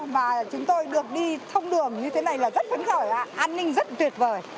mà chúng tôi được đi thông đường như thế này là rất phấn khởi an ninh rất tuyệt vời